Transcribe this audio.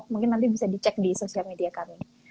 mungkin nanti bisa dicek di sosial media kami